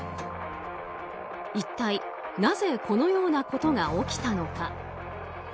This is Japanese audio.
一体なぜこのようなことが起きたのか。